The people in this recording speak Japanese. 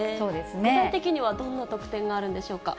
具体的にはどんな特典があるんでしょうか。